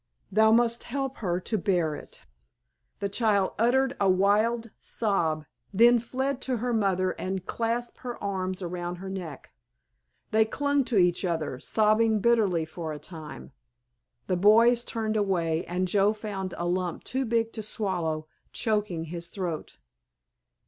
Thou must help her to bear it." The child uttered a wild sob, then fled to her mother and clasped her arms about her neck. They clung to each other sobbing bitterly for a time. The boys turned away, and Joe found a lump too big to swallow choking his throat.